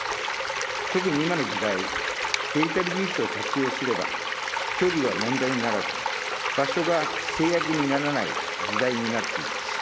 特に今の時代、デジタル技術を活用すれば、距離は問題にならず、場所が制約にならない時代になっています。